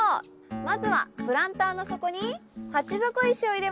まずはプランターの底に鉢底石を入れます。